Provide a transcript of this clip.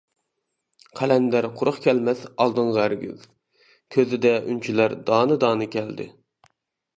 قەلەندەر قۇرۇق كەلمەس ئالدىڭغا ھەرگىز، كۆزىدە ئۈنچىلەر دانە-دانە كەلدى.